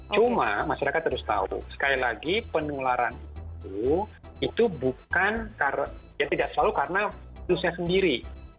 cuma masyarakat harus tahu sekali lagi penularan itu itu bukan ya tidak selalu karena virusnya sendiri